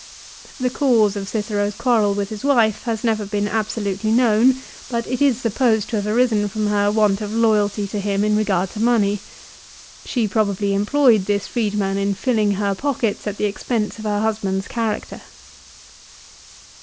The cause of Cicero's quarrel with his wife has never been absolutely known, but it is supposed to have arisen from her want of loyalty to him in regard to money. She probably employed this freedman in filling her pockets at the expense of her husband's character.